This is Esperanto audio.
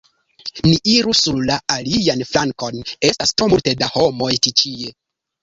Ni iru sur la alian flankon; estas tro multe da homoj tie ĉi.